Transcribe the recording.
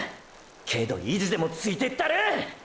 けど意地でもついてったる！！